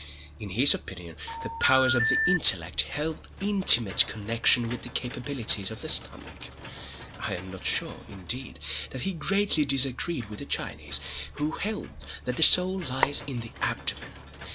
In his opinion the powers of the intellect held intimate connection with the capabilities of the stomach. I am not sure, indeed, that he greatly disagreed with the Chinese, who held that the soul lies in the abdomen.